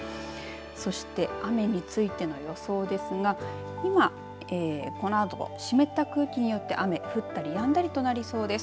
そして雨についての予想ですが今このあと湿った空気によって雨降ったりやんだりとなりそうです。